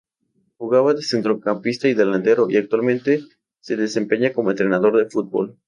Jugaba de centrocampista y delantero y actualmente se desempeña como entrenador de fútbol.